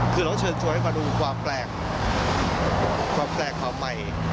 คือเราเชิญชวนให้มาดูความแปลกความแปลกความใหม่